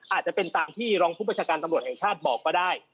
อาจจะเป็นตามที่รองผู้ประชาการตำรวจแห่งชาติบอกก็ได้